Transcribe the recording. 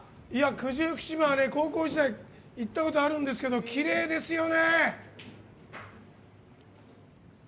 九十九島は高校時代行ったことあるんですけどきれいですよね。